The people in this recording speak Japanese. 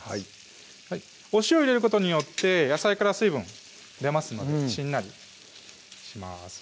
はいお塩入れることによって野菜から水分出ますのでしんなりします